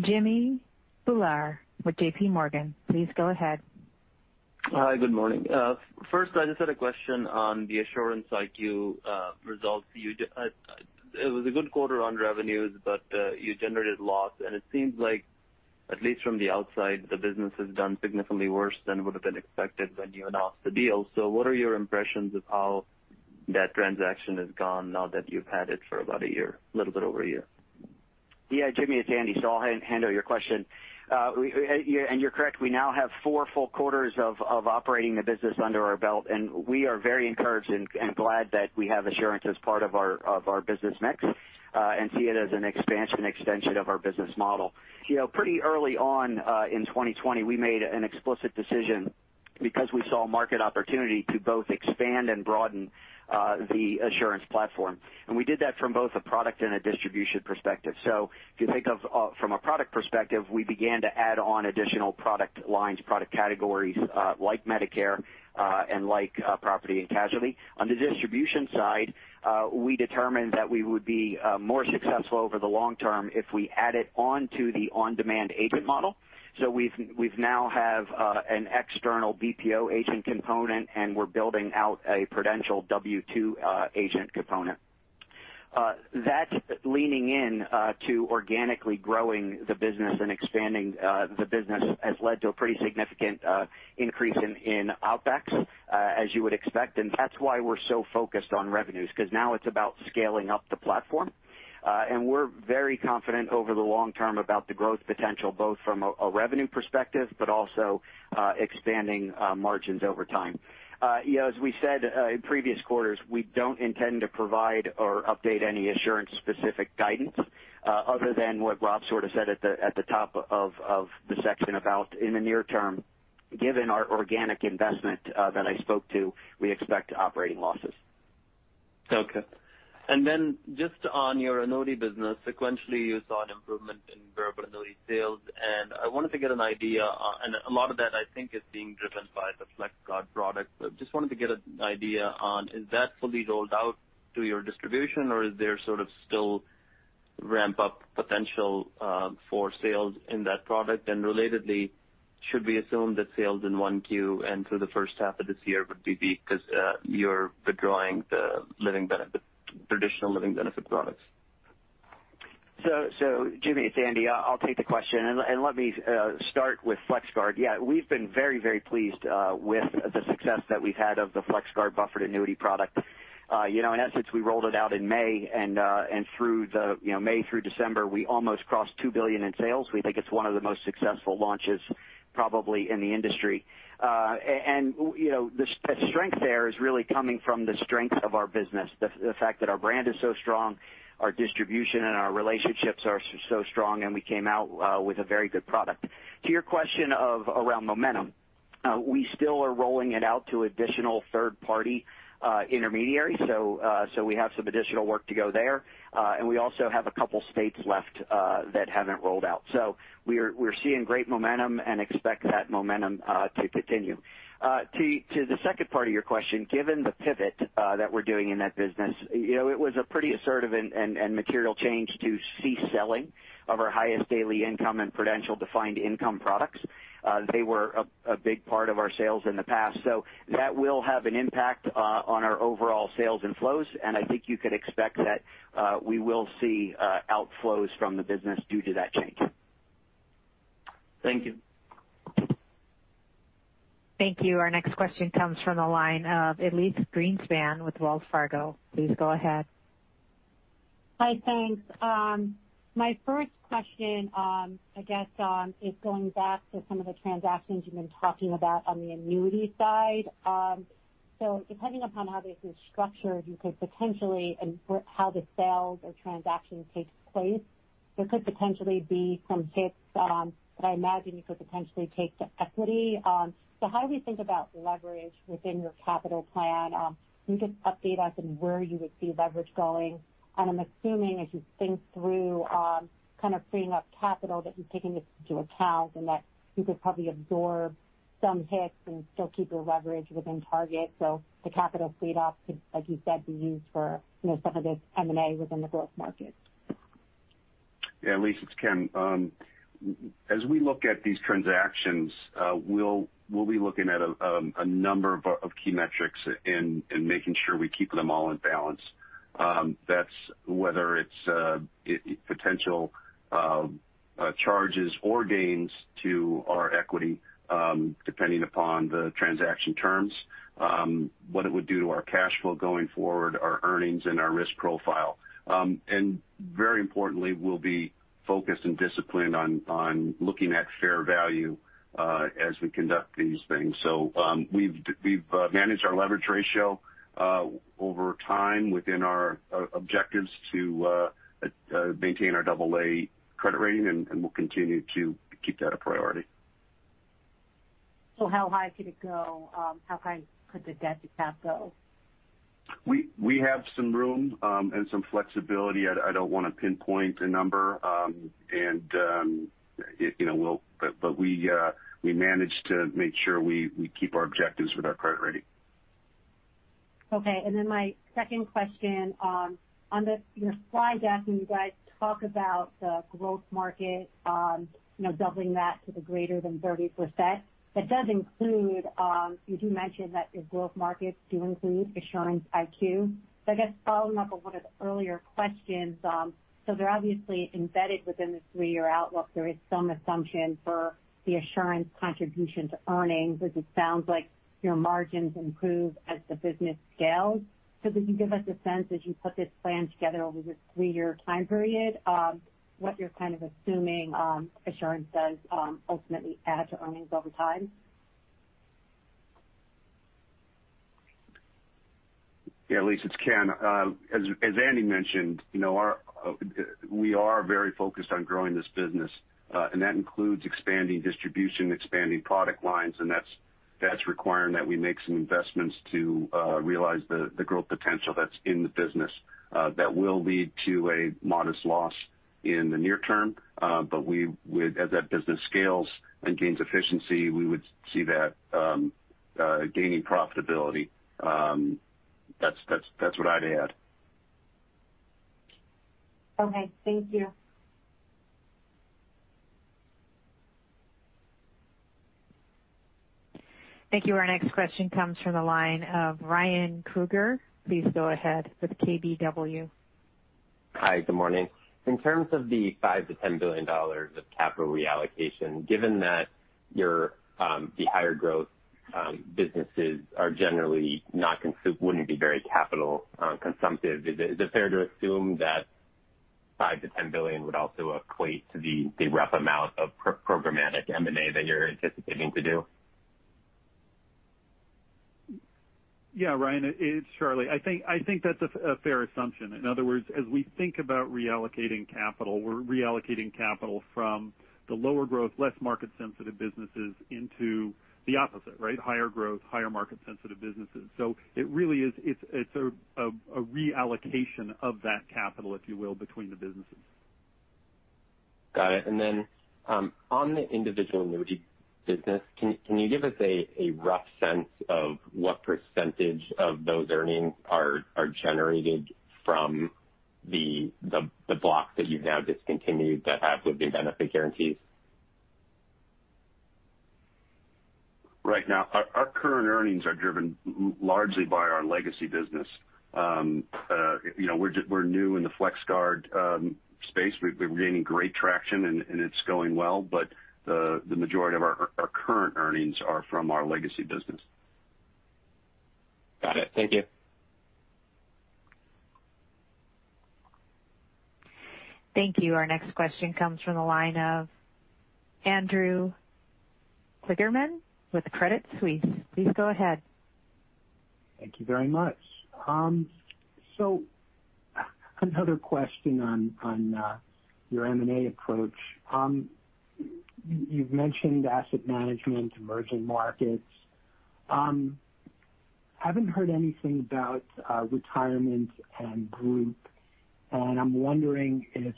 Jimmy Bhullar with JPMorgan. Please go ahead. Hi, good morning. First, I just had a question on the Assurance IQ results. It was a good quarter on revenues, but you generated a loss. It seems like, at least from the outside, the business has done significantly worse than would have been expected when you announced the deal. What are your impressions of how that transaction has gone now that you've had it for about a year, a little bit over a year? Yeah, Jimmy, it's Andy. I'll handle your question. You're correct. We now have four full quarters of operating the business under our belt. We are very encouraged and glad that we have Assurance as part of our business mix and see it as an expansion extension of our business model. Pretty early on in 2020, we made an explicit decision because we saw market opportunity to both expand and broaden the Assurance platform. We did that from both a product and a distribution perspective. If you think of from a product perspective, we began to add on additional product lines, product categories like Medicare and like property and casualty. On the distribution side, we determined that we would be more successful over the long term if we added onto the on-demand agent model. We now have an external BPO agent component, and we're building out a Prudential W-2 agent component. That leaning into organically growing the business and expanding the business has led to a pretty significant increase in outback's, as you would expect. That is why we're so focused on revenues, because now it's about scaling up the platform. We are very confident over the long term about the growth potential, both from a revenue perspective, but also expanding margins over time. As we said in previous quarters, we do not intend to provide or update any assurance-specific guidance other than what Rob sort of said at the top of the section about in the near term. Given our organic investment that I spoke to, we expect operating losses. Okay. And then just on your annuity business, sequentially, you saw an improvement in variable annuity sales. I wanted to get an idea, and a lot of that, I think, is being driven by the FlexGuard product. I just wanted to get an idea on, is that fully rolled out to your distribution, or is there sort of still ramp-up potential for sales in that product? Relatedly, should we assume that sales in Q1 and through the first half of this year would be weak because you're withdrawing the traditional living benefit products? Jimmy, it's Andy. I'll take the question. Let me start with FlexGuard. Yeah, we've been very, very pleased with the success that we've had of the FlexGuard Buffered Annuity product. In essence, we rolled it out in May, and through May through December, we almost crossed $2 billion in sales. We think it's one of the most successful launches probably in the industry. The strength there is really coming from the strength of our business, the fact that our brand is so strong, our distribution and our relationships are so strong, and we came out with a very good product. To your question around momentum, we still are rolling it out to additional third-party intermediaries. We have some additional work to go there. We also have a couple of states left that haven't rolled out. We're seeing great momentum and expect that momentum to continue. To the second part of your question, given the pivot that we're doing in that business, it was a pretty assertive and material change to cease selling of our highest daily income and Prudential Defined Income products. They were a big part of our sales in the past. That will have an impact on our overall sales and flows. I think you could expect that we will see outflows from the business due to that change. Thank you. Thank you. Our next question comes from the line of Elyse Greenspan with Wells Fargo. Please go ahead. Hi, thanks. My first question, I guess, is going back to some of the transactions you've been talking about on the annuity side. Depending upon how this is structured, you could potentially, and how the sales or transaction takes place, there could potentially be some hits that I imagine you could potentially take to equity. How do we think about leverage within your capital plan? You could update us in where you would see leverage going. I'm assuming, as you think through kind of freeing up capital, that you're taking this into account and that you could probably absorb some hits and still keep your leverage within target. The capital freed up could, like you said, be used for some of this M&A within the growth market. Yeah, Elyse, it's Ken. As we look at these transactions, we'll be looking at a number of key metrics and making sure we keep them all in balance. That's whether it's potential charges or gains to our equity, depending upon the transaction terms, what it would do to our cash flow going forward, our earnings, and our risk profile. Very importantly, we'll be focused and disciplined on looking at fair value as we conduct these things. We've managed our leverage ratio over time within our objectives to maintain our AA credit rating, and we'll continue to keep that a priority. How high could it go? How high could the debt to cap go? We have some room and some flexibility. I don't want to pinpoint a number, but we managed to make sure we keep our objectives with our credit rating. Okay. My second question, on your slide deck, when you guys talk about the growth market, doubling that to the greater than 30%, that does include, you do mention that your growth markets do include Assurance IQ. I guess following up on one of the earlier questions, they are obviously embedded within the three-year outlook. There is some assumption for the Assurance contribution to earnings, as it sounds like your margins improve as the business scales. Could you give us a sense as you put this plan together over this three-year time period, what you are kind of assuming Assurance does ultimately add to earnings over time? Yeah, Elyse, it's Ken. As Andy mentioned, we are very focused on growing this business. That includes expanding distribution, expanding product lines. That is requiring that we make some investments to realize the growth potential that is in the business that will lead to a modest loss in the near term. As that business scales and gains efficiency, we would see that gaining profitability. That is what I'd add. Okay. Thank you. Thank you. Our next question comes from the line of Ryan Krueger. Please go ahead with KBW. Hi, good morning. In terms of the $5 billion-$10 billion of capital reallocation, given that the higher growth businesses are generally not, wouldn't be very capital consumptive, is it fair to assume that $5 billion-$10 billion would also equate to the rough amount of programmatic M&A that you're anticipating to do? Yeah, Ryan, it's Charlie. I think that's a fair assumption. In other words, as we think about reallocating capital, we're reallocating capital from the lower growth, less market-sensitive businesses into the opposite, right? Higher growth, higher market-sensitive businesses. It really is a reallocation of that capital, if you will, between the businesses. Got it. On the individual annuity business, can you give us a rough sense of what percentage of those earnings are generated from the block that you've now discontinued that have living benefit guarantees? Right now, our current earnings are driven largely by our legacy business. We're new in the FlexGuard space. We're gaining great traction, and it's going well. The majority of our current earnings are from our legacy business. Got it. Thank you. Thank you. Our next question comes from the line of Andrew Sullivan with Credit Suisse. Please go ahead. Thank you very much. Another question on your M&A approach. You've mentioned asset management, emerging markets. I haven't heard anything about retirement and group. I'm wondering if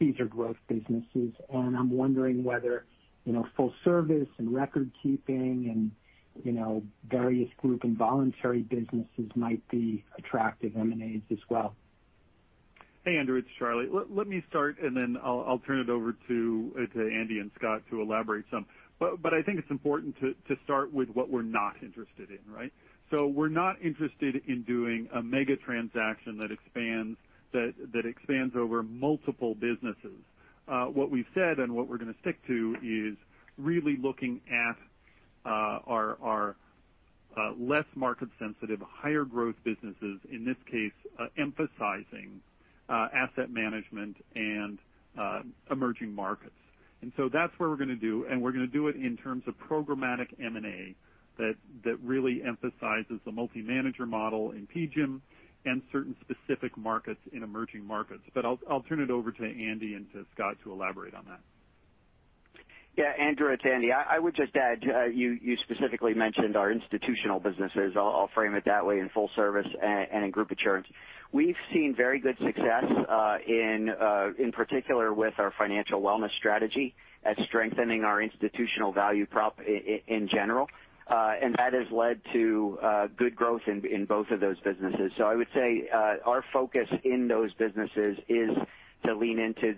these are growth businesses. I'm wondering whether full service and record keeping and various group and voluntary businesses might be attractive M&As as well. Hey, Andrew, it's Charlie. Let me start, and then I'll turn it over to Andy and Scott to elaborate some. I think it's important to start with what we're not interested in, right? We're not interested in doing a mega transaction that expands over multiple businesses. What we've said and what we're going to stick to is really looking at our less market-sensitive, higher growth businesses, in this case, emphasizing asset management and emerging markets. That's what we're going to do. We're going to do it in terms of programmatic M&A that really emphasizes the multi-manager model in PGIM and certain specific markets in emerging markets. I'll turn it over to Andy and to Scott to elaborate on that. Yeah, Andrew, it's Andy. I would just add you specifically mentioned our institutional businesses. I'll frame it that way in full service and in group assurance. We've seen very good success, in particular with our financial wellness strategy at strengthening our institutional value prop in general. That has led to good growth in both of those businesses. I would say our focus in those businesses is to lean into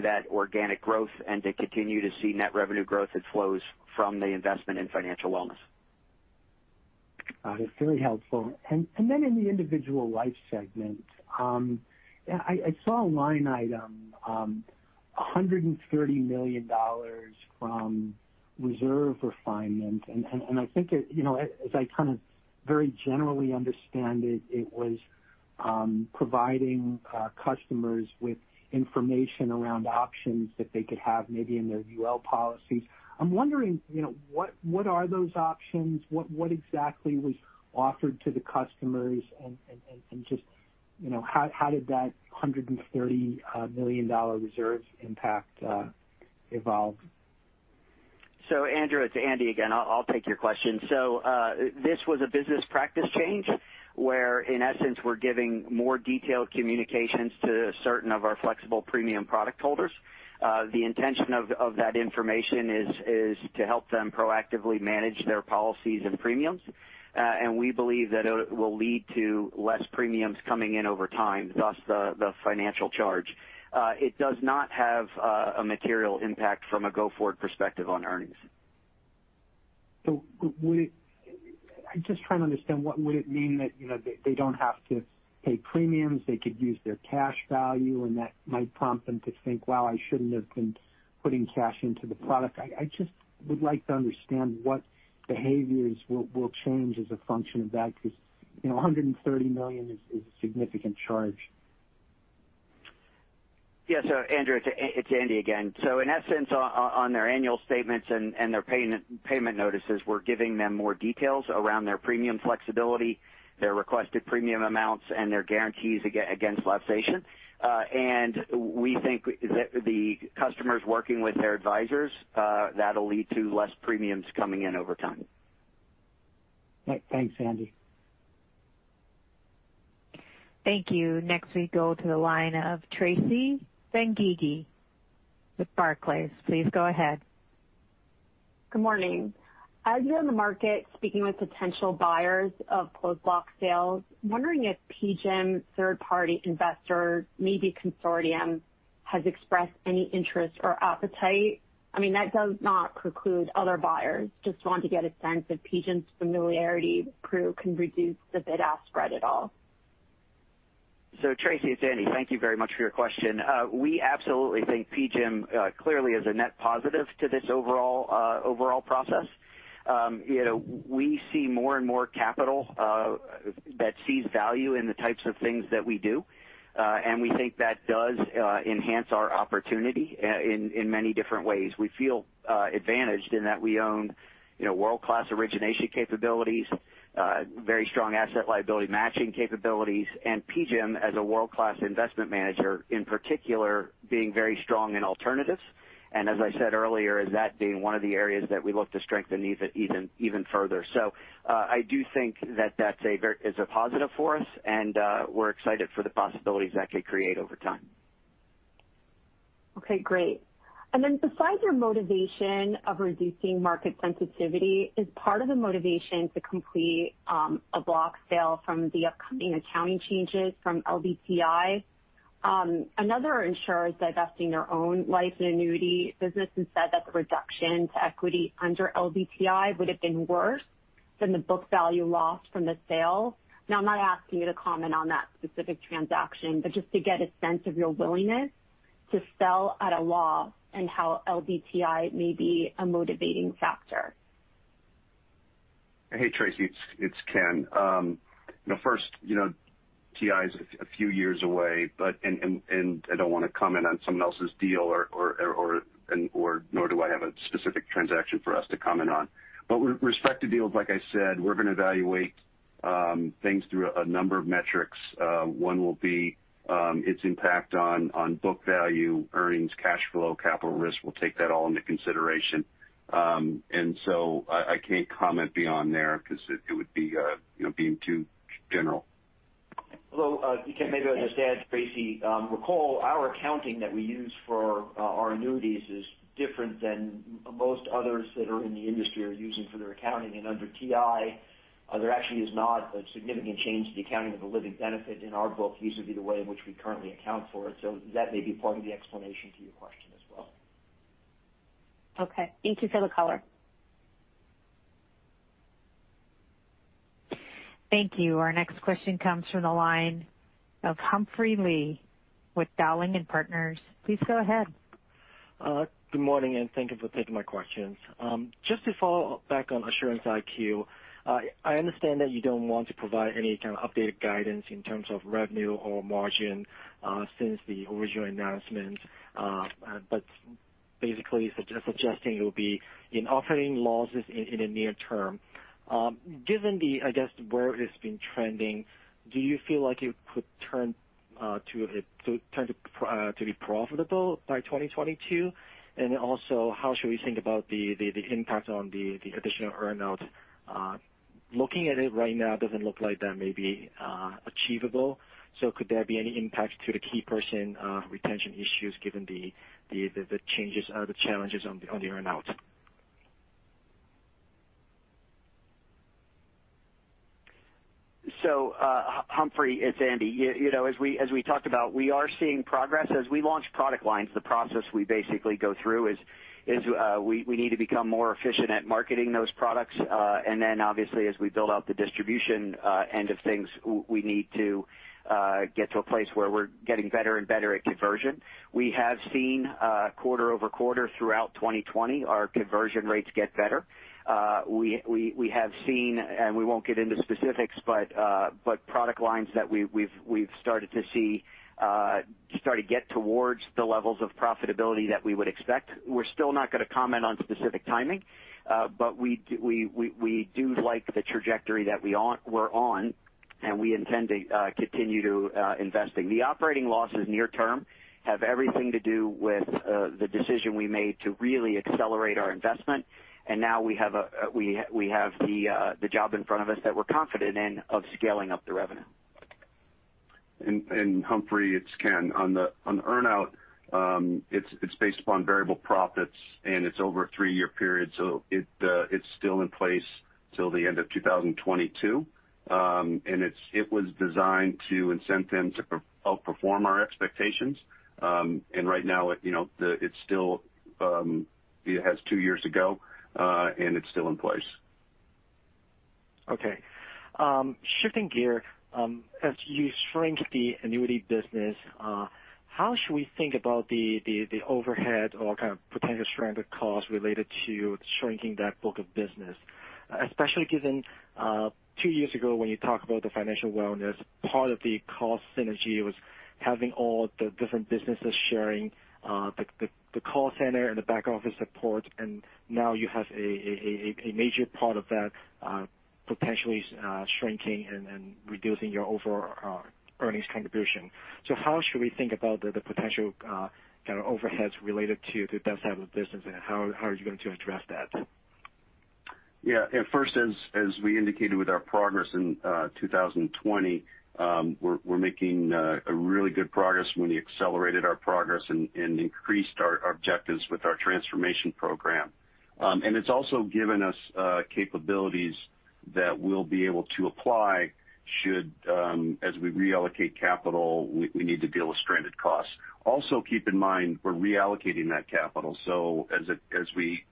that organic growth and to continue to see net revenue growth that flows from the investment in financial wellness. That is very helpful. In the individual life segment, I saw a line item, $130 million from reserve refinement. I think, as I kind of very generally understand it, it was providing customers with information around options that they could have maybe in their UL policies. I am wondering, what are those options? What exactly was offered to the customers? Just how did that $130 million reserve impact evolve? Andrew, it's Andy again. I'll take your question. This was a business practice change where, in essence, we're giving more detailed communications to certain of our flexible premium product holders. The intention of that information is to help them proactively manage their policies and premiums. We believe that it will lead to less premiums coming in over time, thus the financial charge. It does not have a material impact from a go-forward perspective on earnings. I'm just trying to understand what would it mean that they don't have to pay premiums? They could use their cash value, and that might prompt them to think, "Wow, I shouldn't have been putting cash into the product." I just would like to understand what behaviors will change as a function of that because $130 million is a significant charge. Yeah. Andrew, it's Andy again. In essence, on their annual statements and their payment notices, we're giving them more details around their premium flexibility, their requested premium amounts, and their guarantees against luxation. We think that the customers working with their advisors, that'll lead to less premiums coming in over time. Thanks, Andy. Thank you. Next, we go to the line of Tracy Benguigui with Barclays. Please go ahead. Good morning. As you're in the market, speaking with potential buyers of closed-block sales, wondering if PGIM Third Party Investor, maybe Consortium, has expressed any interest or appetite? I mean, that does not preclude other buyers. Just wanted to get a sense if PGIM's familiarity proof can reduce the bid-ask spread at all. Tracy, it's Andy. Thank you very much for your question. We absolutely think PGIM clearly is a net positive to this overall process. We see more and more capital that sees value in the types of things that we do. We think that does enhance our opportunity in many different ways. We feel advantaged in that we own world-class origination capabilities, very strong asset liability matching capabilities, and PGIM, as a world-class investment manager, in particular, being very strong in alternatives. As I said earlier, that being one of the areas that we look to strengthen even further. I do think that that's a positive for us, and we're excited for the possibilities that could create over time. Okay. Great. Besides your motivation of reducing market sensitivity, is part of the motivation to complete a block sale from the upcoming accounting changes from LDTI? Another insurer is divesting their own life and annuity business and said that the reduction to equity under LDTI would have been worse than the book value lost from the sale. Now, I'm not asking you to comment on that specific transaction, but just to get a sense of your willingness to sell at a loss and how LDTI may be a motivating factor. Hey, Tracy, it's Ken. First, TI is a few years away, and I do not want to comment on someone else's deal, nor do I have a specific transaction for us to comment on. Like I said, we are going to evaluate things through a number of metrics. One will be its impact on book value, earnings, cash flow, capital risk. We will take that all into consideration. I cannot comment beyond there because it would be being too general. Although you can't maybe understand, Tracy, recall our accounting that we use for our annuities is different than most others that are in the industry are using for their accounting. Under LDTI, there actually is not a significant change to the accounting of the living benefit in our book. These would be the way in which we currently account for it. That may be part of the explanation to your question as well. Okay. Thank you for the color. Thank you. Our next question comes from the line of Humphrey Lee with Dowling & Partners. Please go ahead. Good morning, and thank you for taking my questions. Just to follow back on Assurance IQ, I understand that you do not want to provide any kind of updated guidance in terms of revenue or margin since the original announcement, but basically suggesting it will be in offering losses in the near term. Given the, I guess, where it has been trending, do you feel like it could turn to be profitable by 2022? Also, how should we think about the impact on the additional earnout? Looking at it right now, it does not look like that may be achievable. Could there be any impact to the key person retention issues given the changes or the challenges on the earnout? Humphrey, it's Andy. As we talked about, we are seeing progress. As we launch product lines, the process we basically go through is we need to become more efficient at marketing those products. Then, obviously, as we build out the distribution end of things, we need to get to a place where we're getting better and better at conversion. We have seen quarter over quarter throughout 2020, our conversion rates get better. We have seen, and we won't get into specifics, but product lines that we've started to see start to get towards the levels of profitability that we would expect. We're still not going to comment on specific timing, but we do like the trajectory that we're on, and we intend to continue to invest in. The operating losses near term have everything to do with the decision we made to really accelerate our investment. We have the job in front of us that we're confident in of scaling up the revenue. Humphrey, it's Ken. On the earnout, it's based upon variable profits, and it's over a three-year period. It's still in place till the end of 2022. It was designed to incent them to outperform our expectations. Right now, it still has two years to go, and it's still in place. Okay. Shifting gear, as you shrink the annuity business, how should we think about the overhead or kind of potential strand of cost related to shrinking that book of business? Especially given two years ago, when you talk about the financial wellness, part of the cost synergy was having all the different businesses sharing the call center and the back office support. Now you have a major part of that potentially shrinking and reducing your overall earnings contribution. How should we think about the potential kind of overheads related to that type of business, and how are you going to address that? Yeah. First, as we indicated with our progress in 2020, we're making really good progress when we accelerated our progress and increased our objectives with our transformation program. It's also given us capabilities that we'll be able to apply should, as we reallocate capital, we need to deal with stranded costs. Also, keep in mind we're reallocating that capital. As we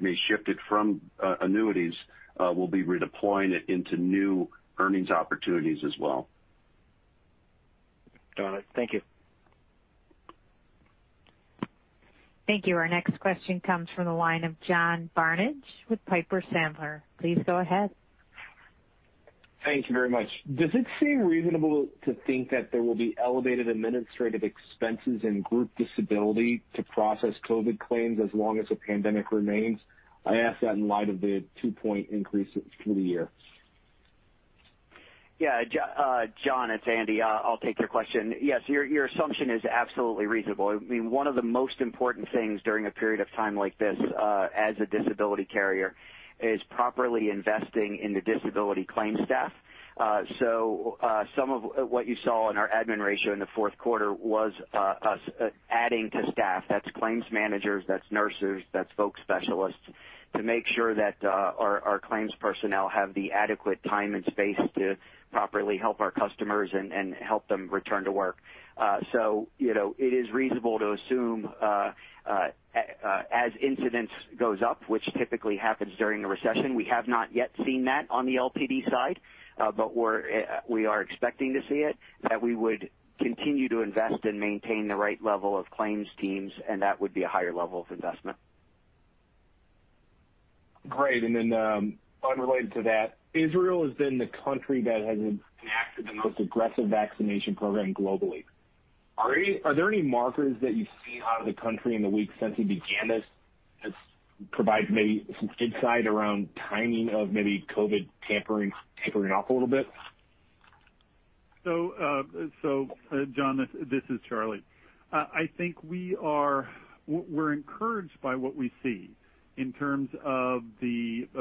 may shift it from annuities, we'll be redeploying it into new earnings opportunities as well. Got it. Thank you. Thank you. Our next question comes from the line of John Barnidge with Piper Sandler. Please go ahead. Thank you very much. Does it seem reasonable to think that there will be elevated administrative expenses in group disability to process COVID claims as long as the pandemic remains? I ask that in light of the two-point increase through the year. Yeah. John, it's Andy. I'll take your question. Yes, your assumption is absolutely reasonable. I mean, one of the most important things during a period of time like this as a disability carrier is properly investing in the disability claims staff. Some of what you saw in our admin ratio in the fourth quarter was adding to staff. That's claims managers, that's nurses, that's folks, specialists to make sure that our claims personnel have the adequate time and space to properly help our customers and help them return to work. It is reasonable to assume as incidence goes up, which typically happens during the recession, we have not yet seen that on the LTD side, but we are expecting to see it, that we would continue to invest and maintain the right level of claims teams, and that would be a higher level of investment. Great. Then unrelated to that, Israel has been the country that has enacted the most aggressive vaccination program globally. Are there any markers that you've seen out of the country in the weeks since it began this that provide maybe some insight around timing of maybe COVID tapering off a little bit? John, this is Charlie. I think we're encouraged by what we see in terms of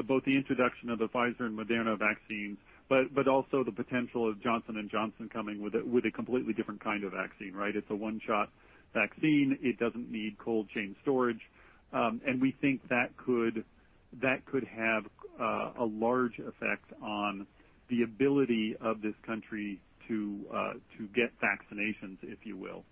both the introduction of the Pfizer and Moderna vaccines, but also the potential of Johnson & Johnson coming with a completely different kind of vaccine, right? It's a one-shot vaccine. It doesn't need cold chain storage. We think that could have a large effect on the ability of this country to get vaccinations, if you will.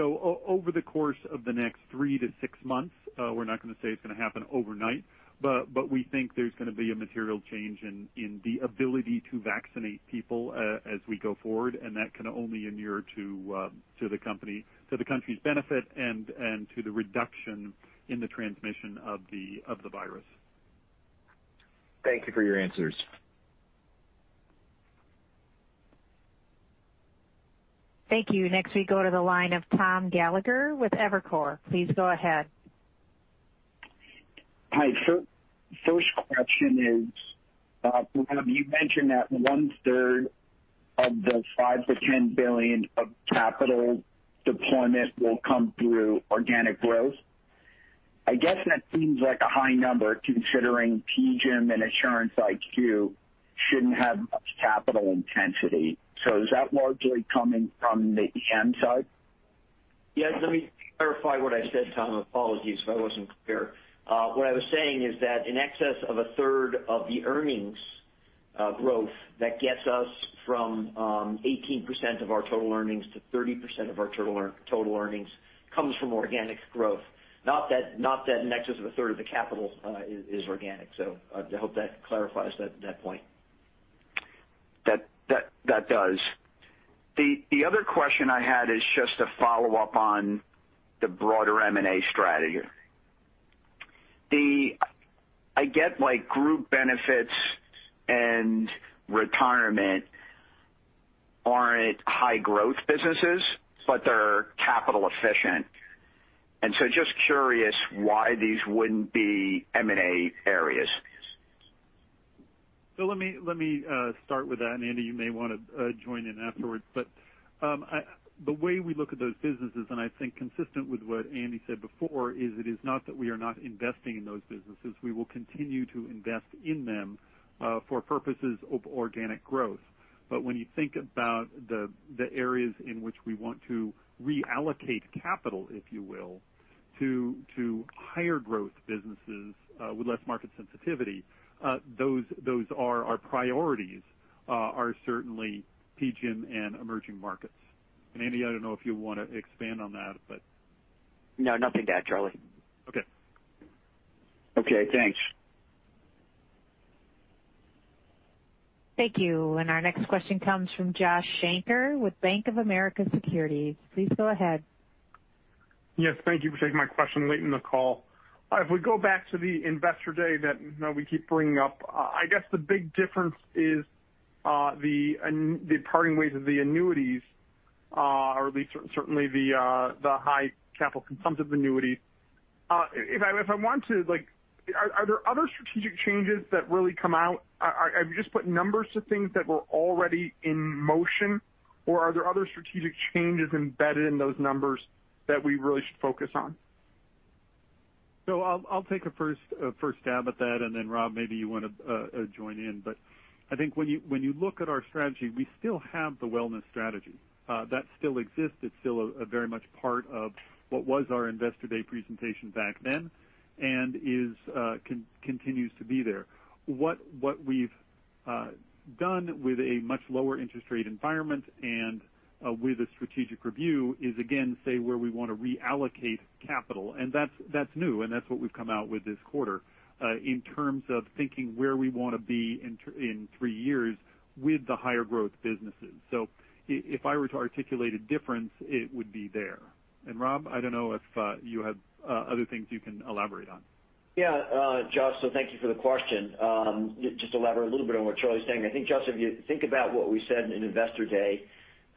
Over the course of the next three to six months, we're not going to say it's going to happen overnight, but we think there's going to be a material change in the ability to vaccinate people as we go forward. That can only inure to the country's benefit and to the reduction in the transmission of the virus. Thank you for your answers. Thank you. Next, we go to the line of Tom Gallagher with Evercore. Please go ahead. Hi. First question is, you mentioned that 1/3 of the $5 billion-$10 billion of capital deployment will come through organic growth. I guess that seems like a high number considering PGIM and Assurance IQ should not have much capital intensity. Is that largely coming from the EM side? Yes. Let me clarify what I said, Tom. Apologies if I was not clear. What I was saying is that in excess of 1/3 of the earnings growth that gets us from 18% of our total earnings to 30% of our total earnings comes from organic growth. Not that in excess of 1/3 of the capital is organic. I hope that clarifies that point. That does. The other question I had is just a follow-up on the broader M&A strategy. I get group benefits and retirement are not high-growth businesses, but they are capital efficient. I am just curious why these would not be M&A areas. Let me start with that. Andy, you may want to join in afterwards. The way we look at those businesses, and I think consistent with what Andy said before, is it is not that we are not investing in those businesses. We will continue to invest in them for purposes of organic growth. When you think about the areas in which we want to reallocate capital, if you will, to higher growth businesses with less market sensitivity, those are our priorities, are certainly PGIM and emerging markets. Andy, I do not know if you want to expand on that. No, nothing to add, Charlie. Okay. Okay. Thanks. Thank you. Our next question comes from Josh Shanker with Bank of America Securities. Please go ahead. Yes. Thank you for taking my question late in the call. If we go back to the Investor Day that we keep bringing up, I guess the big difference is the departing weight of the annuities, or at least certainly the high capital consumptive annuities. If I want to, are there other strategic changes that really come out? Have you just put numbers to things that were already in motion, or are there other strategic changes embedded in those numbers that we really should focus on? I'll take a first stab at that. Rob, maybe you want to join in. I think when you look at our strategy, we still have the wellness strategy. That still exists. It's still very much part of what was our Investor Day presentation back then and continues to be there. What we've done with a much lower interest rate environment and with a strategic review is, again, say where we want to reallocate capital. That's new, and that's what we've come out with this quarter in terms of thinking where we want to be in three years with the higher growth businesses. If I were to articulate a difference, it would be there. Rob, I don't know if you have other things you can elaborate on. Yeah. Josh, so thank you for the question. Just elaborate a little bit on what Charlie's saying. I think, Josh, if you think about what we said in Investor Day,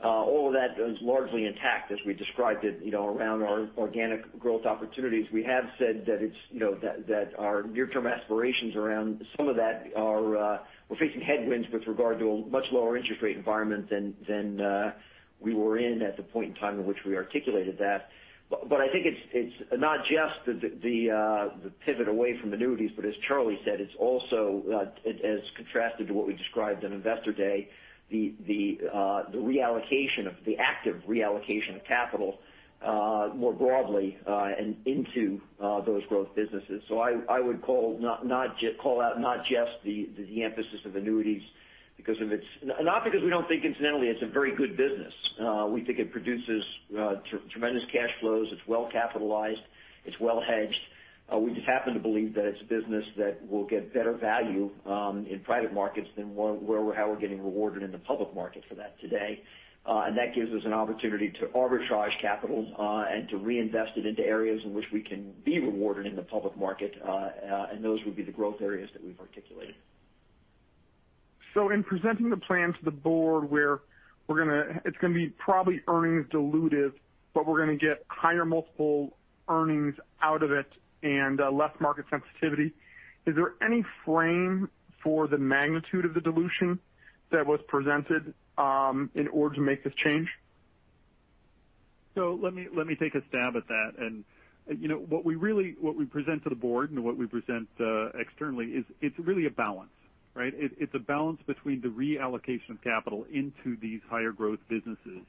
all of that is largely intact as we described it around our organic growth opportunities. We have said that our near-term aspirations around some of that are we're facing headwinds with regard to a much lower interest rate environment than we were in at the point in time in which we articulated that. I think it's not just the pivot away from annuities, but as Charlie said, it's also, as contrasted to what we described in Investor Day, the reallocation of the active reallocation of capital more broadly and into those growth businesses. I would call out not just the emphasis of annuities because of its not because we don't think incidentally it's a very good business. We think it produces tremendous cash flows. It's well capitalized. It's well hedged. We just happen to believe that it's a business that will get better value in private markets than how we're getting rewarded in the public market for that today. That gives us an opportunity to arbitrage capital and to reinvest it into areas in which we can be rewarded in the public market. Those would be the growth areas that we've articulated. In presenting the plan to the board where it's going to be probably earnings dilutive, but we're going to get higher multiple earnings out of it and less market sensitivity, is there any frame for the magnitude of the dilution that was presented in order to make this change? Let me take a stab at that. What we present to the board and what we present externally is it's really a balance, right? It's a balance between the reallocation of capital into these higher growth businesses,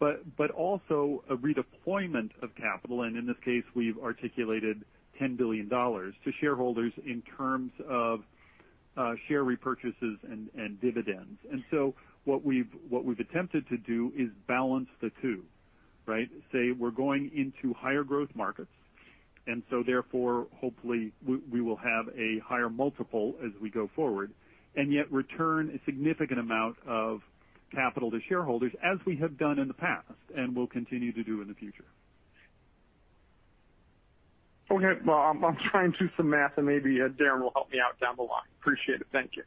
but also a redeployment of capital. In this case, we've articulated $10 billion to shareholders in terms of share repurchases and dividends. What we've attempted to do is balance the two, right? Say we're going into higher growth markets, and so therefore, hopefully, we will have a higher multiple as we go forward and yet return a significant amount of capital to shareholders as we have done in the past and will continue to do in the future. Okay. I am trying to do some math, and maybe Darin will help me out down the line. Appreciate it. Thank you.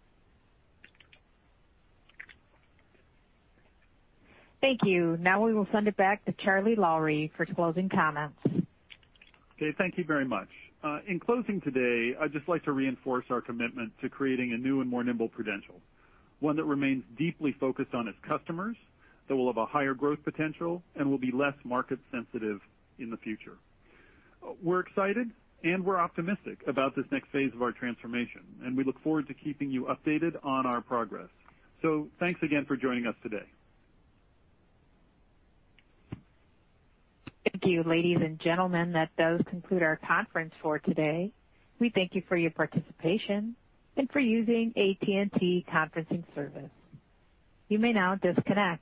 Thank you. Now we will send it back to Charlie Lowrey for closing comments. Okay. Thank you very much. In closing today, I'd just like to reinforce our commitment to creating a new and more nimble Prudential, one that remains deeply focused on its customers, that will have a higher growth potential, and will be less market sensitive in the future. We're excited and we're optimistic about this next phase of our transformation, and we look forward to keeping you updated on our progress. Thanks again for joining us today. Thank you, ladies and gentlemen. That does conclude our conference for today. We thank you for your participation and for using AT&T conferencing service. You may now disconnect.